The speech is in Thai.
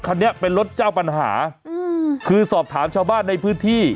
คันนี้เป็นรถเจ้าปัญหาอืมคือสอบถามชาวบ้านในพื้นที่